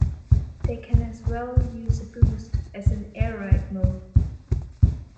They can as well use a boost, as in Air Ride mode.